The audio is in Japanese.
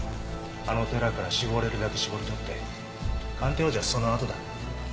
あの寺から搾れるだけ搾り取って鑑定王子はそのあとだ。